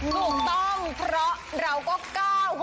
ถูกต้องเพราะเราก็๙๖